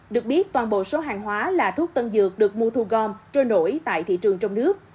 được biết toàn bộ số hàng hóa là thuốc tân dược được mua thu gom trôi nổi tại thị trường trong nước